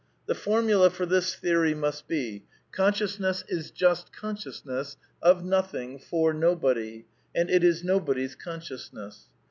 The formula for this theory must be: Consciousness is/Tj just consciousness, of nothing, for nobody; and it is no T body's consciousness.